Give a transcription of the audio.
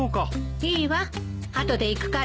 いいわ後で行くから。